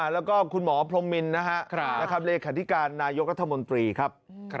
แล้วก็คุณหมอพรงมินนะครับและคำเลขคัติการนายกรรธมนตรีครับ